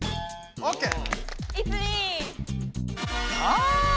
オッケー。